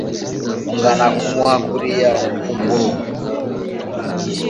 Ungana kumuha kuriya kuguru